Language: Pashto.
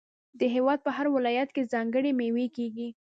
د هیواد په هر ولایت کې ځانګړې میوې کیږي.